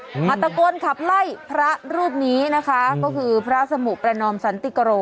อาตะโกนขับไล่พระรูปนี้นะคะก็คือพระสมุประนอมสันติกโร